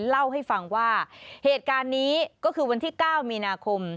เล่าให้ฟังว่าเหตุการณ์นี้ก็คือวันที่๙มีนาคม